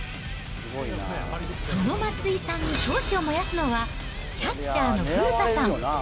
その松井さんに闘志を燃やすのは、キャッチャーの古田さん。